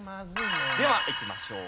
ではいきましょう。